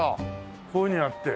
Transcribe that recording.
こういうふうにやって。